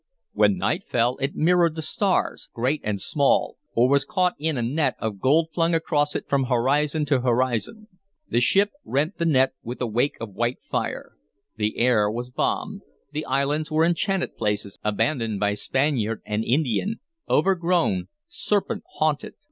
When night fell, it mirrored the stars, great and small, or was caught in a net of gold flung across it from horizon to horizon. The ship rent the net with a wake of white fire. The air was balm; the islands were enchanted places, abandoned by Spaniard and Indian, overgrown, serpent haunted.